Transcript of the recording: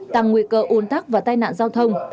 tăng nguy cơ un tắc và tai nạn giao thông